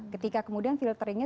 ketika kemudian filteringnya